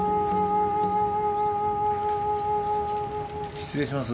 失礼します